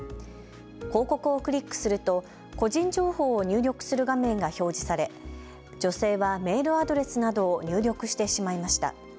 広告をクリックすると個人情報を入力する画面が表示され女性はメールアドレスなどを入力してしまいました。